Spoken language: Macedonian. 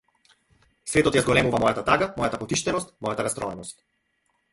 Светот ја зголемува мојата тага, мојата потиштеност, мојата растроеност.